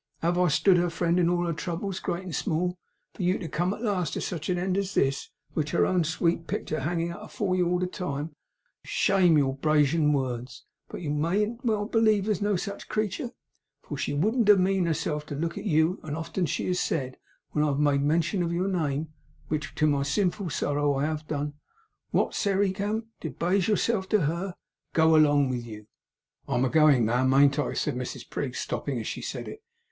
Have I stood her friend in all her troubles, great and small, for it to come at last to sech a end as this, which her own sweet picter hanging up afore you all the time, to shame your Bragian words! But well you mayn't believe there's no sech a creetur, for she wouldn't demean herself to look at you, and often has she said, when I have made mention of your name, which, to my sinful sorrow, I have done, "What, Sairey Gamp! debage yourself to HER!" Go along with you!' 'I'm a goin', ma'am, ain't I?' said Mrs Prig, stopping as she said it.